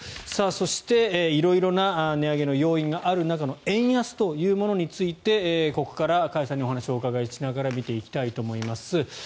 そして、色々な値上げの要因がある中での円安というものについてここから加谷さんにお話を伺いながら見ていきたいと思います。